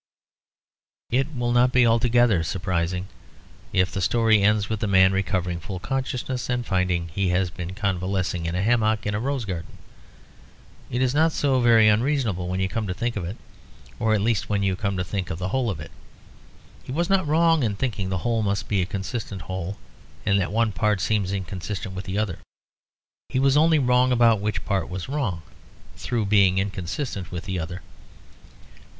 It will not be altogether surprising if the story ends with the man recovering full consciousness, and finding he has been convalescing in a hammock in a rose garden. It is not so very unreasonable when you come to think of it; or at least when you come to think of the whole of it. He was not wrong in thinking the whole must be a consistent whole, and that one part seemed inconsistent with the other. He was only wrong about which part was wrong through being inconsistent with the other.